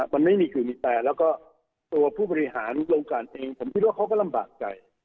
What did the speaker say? มันไม่มีคือมีแต่แล้วก็ตัวผู้บริหารโรงการเองผมคิดว่าเขาก็ลำบากใจ